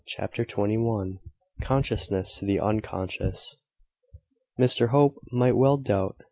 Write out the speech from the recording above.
CHAPTER TWENTY ONE. CONSCIOUSNESS TO THE UNCONSCIOUS. Mr Hope might well doubt.